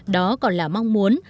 đó còn là mong muốn